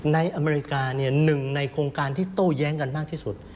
อเมริกาเนี่ยหนึ่งในโครงการที่โต้แย้งกันมากที่สุด